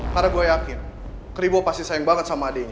karena gue yakin keribuk pasti sayang banget sama adeknya